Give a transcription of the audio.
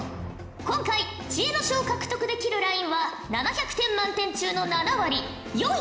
今回知恵の書を獲得できるラインは７００点満点中の７割４９０ほぉじゃ。